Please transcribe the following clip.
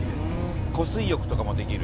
湖水浴とかもできる。